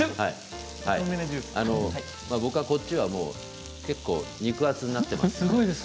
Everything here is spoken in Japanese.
僕はこっちは結構肉厚になっています。